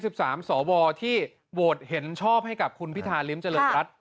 สิบสามสวที่โหวตเห็นชอบให้กับคุณพิธาริมเจริญรัฐ